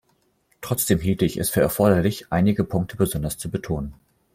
Trotzdem hielte ich es für erforderlich, einige Punkte besonders zu betonen.